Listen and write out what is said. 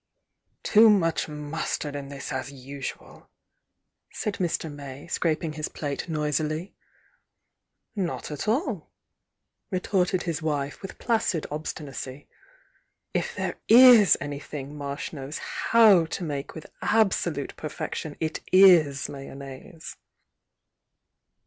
"Too much mustard in this, as usual," said Mr. May, scraping his plate noisily. "Not at all," retorted his wife, with placid ob stinacy. "If there is anything Marsh knows how to make with absolute perfection, it is mayonnaise."